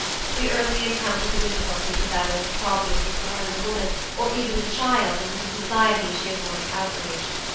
We early encountered the difficulties of that old problem of restoring the woman, or even the child, into the society she has once outraged.